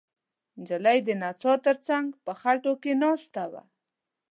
نجلۍ د څا تر څنګ په خټو کې ناسته وه.